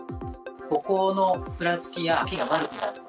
歩行のふらつきや手が悪くなる。